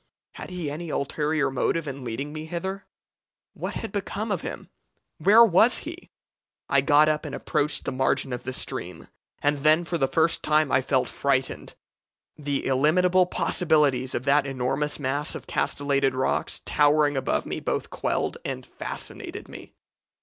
Had he any ulterior motive in leading me hither? What had become of him? Where was he? I got up and approached the margin of the stream, and then for the first time I felt frightened. The illimitable possibilities of that enormous mass of castellated rocks towering above me both quelled and fascinated me.